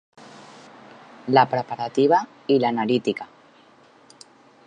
La Preparativa i l'Analítica.